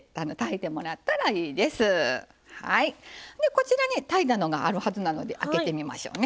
こちらに炊いたのがあるはずなので開けてみましょうね。